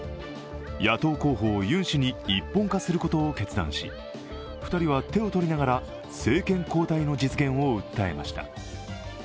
野党候補をユン氏に一本化することを決断し２人は手を取りながら政権交代の実現を訴えました。